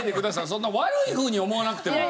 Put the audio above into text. そんな悪いふうに思わなくても。